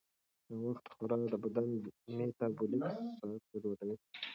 ناوخته خورا د بدن میټابولیک ساعت ګډوډوي.